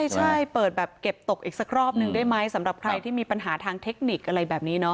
ใช่เปิดแบบเก็บตกอีกสักรอบหนึ่งได้ไหมสำหรับใครที่มีปัญหาทางเทคนิคอะไรแบบนี้เนาะ